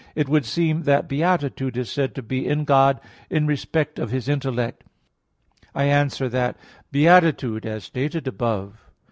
it would seem that beatitude is said to be in God in respect of His intellect. I answer that, Beatitude, as stated above (A.